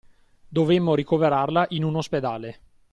Dovemmo ricoverarla in un ospedale.